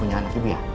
punya anak ibu ya